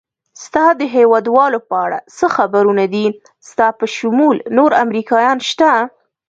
ستا د هېوادوالو په اړه څه خبرونه دي؟ ستا په شمول نور امریکایان شته؟